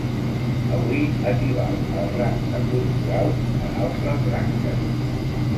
Avui equival al rang de corporals en altres branques.